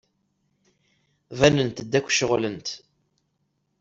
Banent-d akk ceɣlent.